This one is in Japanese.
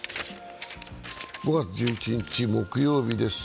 ５月１１日木曜日です。